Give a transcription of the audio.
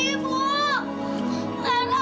lara mau ikut ibu